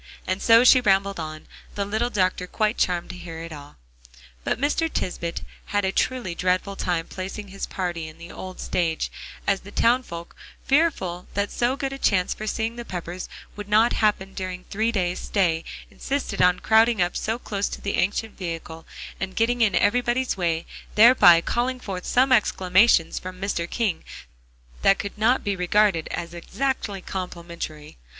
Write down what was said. And so she rambled on, the little doctor quite charmed to hear it all. But Mr. Tisbett had a truly dreadful time placing his party in the old stage, as the townsfolk, fearful that so good a chance for seeing the Peppers would not happen during the three days' stay, insisted on crowding up close to the ancient vehicle, and getting in everybody's way, thereby calling forth some exclamations from Mr. King that could not be regarded as exactly complimentary.